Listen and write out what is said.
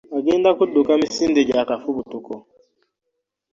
Agenda kudduka misinde gya kafubutuko.